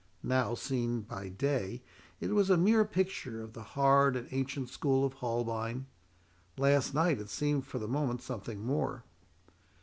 Now, seen by day, it was a mere picture of the hard and ancient school of Holbein; last night, it seemed for the moment something more.